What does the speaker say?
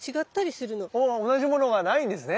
ほぼ同じものがないんですね。